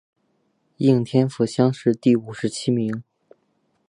应天府乡试第五十七名。